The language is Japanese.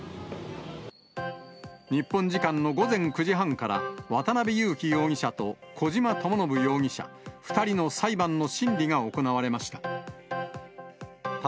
日本時間の午前９時半から、渡辺優樹容疑者と小島智信容疑者、２人の裁判の審理が行われました。